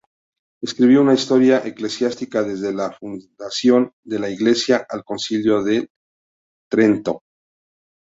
Escribió una historia eclesiástica desde la fundación de la Iglesia al Concilio de Trento.